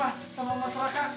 ini semua yang ngasih mas raka